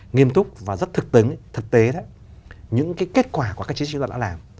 nghiêm túc và rất thực tế những cái kết quả của các chính sách chúng ta đã làm